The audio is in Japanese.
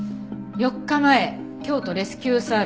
４日前京都レスキューサービス